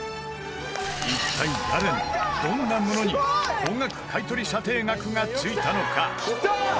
一体、誰のどんなものに高額買取査定額が付いたのか？